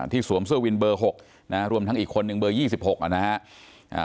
สวมเสื้อวินเบอร์๖นะฮะรวมทั้งอีกคนนึงเบอร์๒๖นะฮะ